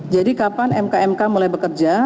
jadi kapan mk mk mulai bekerja